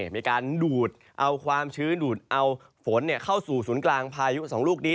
มีการดูดเอาความชื้นดูดเอาฝนเข้าสู่ศูนย์กลางพายุสองลูกนี้